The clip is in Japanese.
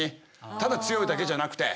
ただ強いだけじゃなくて。